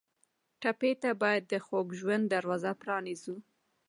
ټپي ته باید د خوږ ژوند دروازه پرانیزو.